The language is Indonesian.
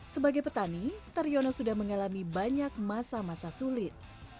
sebagai petani taryono sudah mengalami banyak masa masa sulit